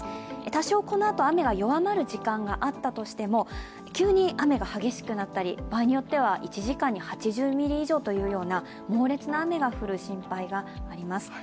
多少このあと雨が弱まる時間があったとしても急に雨が激しくなったり、場合によっては１時間に８０ミリ以上というような猛烈な雨が降る心配があります。